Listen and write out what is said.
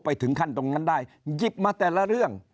ถึงขั้นตรงนั้นได้หยิบมาแต่ละเรื่อง